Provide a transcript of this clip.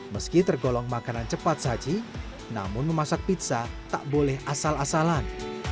meski tergolong makanan cepat saji namun memasak pizza tak boleh asal asalan